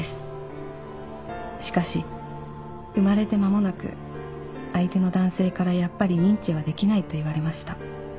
「しかし生まれて間もなく相手の男性からやっぱり認知はできないと言われました」